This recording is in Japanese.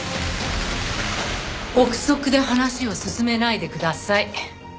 臆測で話を進めないでください。